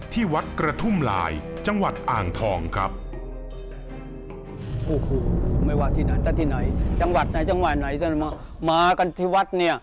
ไม่ว่าที่ไหนจะที่ไหนจังหวัดไหนจังหวัดไหนจะมากันที่วัดนี่